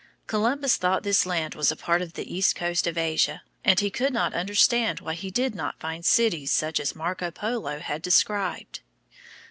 Columbus thought this land was a part of the east coast of Asia, and he could not understand why he did not find cities such as Marco Polo had described.